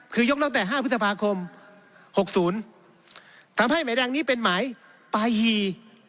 คือยกตั้งแต่ห้าพฤษภาคมหกศูนย์ทำให้หมายแดงนี้เป็นหมายปาหี